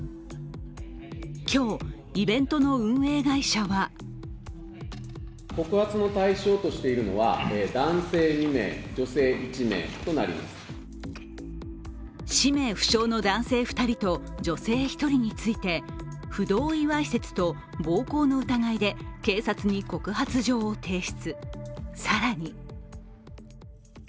今日、イベントの運営会社は氏名不詳の男性２人と女性１人について不同意わいせつと暴行の疑いで警察に告発状を提出。